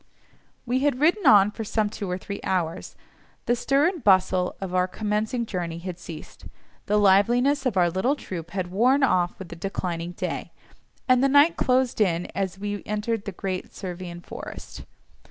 We had ridden on for some two or three hours; the stir and bustle of our commencing journey had ceased, the liveliness of our little troop had worn off with the declining day, and the night closed in as we entered the great Servian forest.